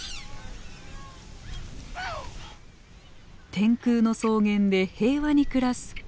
天空の草原で平和に暮らすゲラダヒヒ。